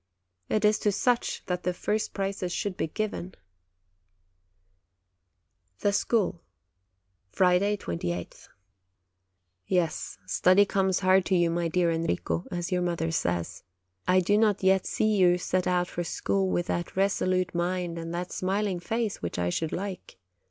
It is to such that the first prizes should be given \" THE SCHOOL Friday, 28th. Yes, study comes hard to you, my dear Enrico, as your mother says : I do not yet see you set out for school with that resolute mind and that smiling face which I should like.